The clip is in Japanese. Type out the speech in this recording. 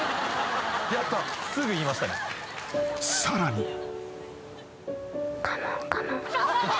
［さらに］